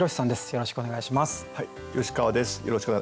よろしくお願いします。